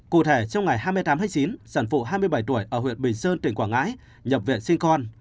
cụ thể trong ngày hai mươi tám tháng chín sản phụ hai mươi bảy tuổi ở huyện bình sơn tỉnh quảng ngãi nhập viện sinh con